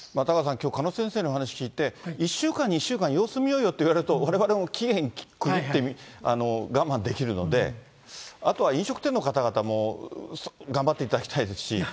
タカさん、きょう、鹿野先生のお話聞いて、１週間、２週間様子見ようよって言われると、われわれも期限区切って我慢できるので、あとは飲食店の方々も、頑張っていただきたいですし。